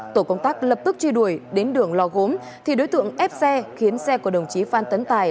tổ công tác lập tức truy đuổi đến đường lò gốm thì đối tượng ép xe khiến xe của đồng chí phan tấn tài